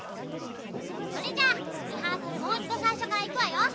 それじゃあリハーサルもういちどさいしょからいくわよ。